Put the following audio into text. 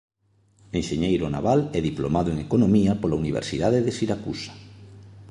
Enxeñeiro naval e diplomado en Economía pola Universidade de Siracusa.